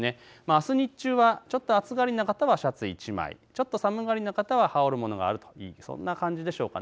あす日中はちょっと暑がりな方はシャツ１枚、ちょっと寒がりな方は羽織るものがあるといい、そんな感じでしょうか。